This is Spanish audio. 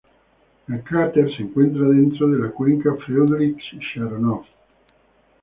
El cráter se encuentra dentro de la Cuenca Freundlich-Sharonov.